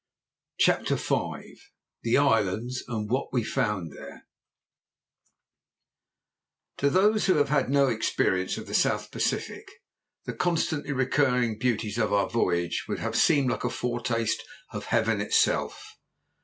CHAPTER V THE ISLANDS, AND WHAT WE FOUND THERE To those who have had no experience of the South Pacific the constantly recurring beauties of our voyage would have seemed like a foretaste of Heaven itself.